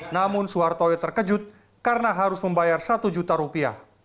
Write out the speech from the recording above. namun soeharto terkejut karena harus membayar satu juta rupiah